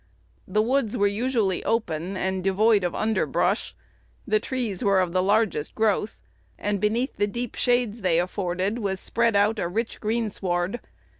The woods were usually open, and devoid of underbrush; the trees were of the largest growth, and beneath the deep shades they afforded was spread out a rich greensward.